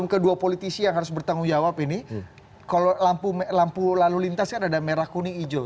kedua politisi yang harus bertanggung jawab ini kalau lampu lalu lintas kan ada merah kuning hijau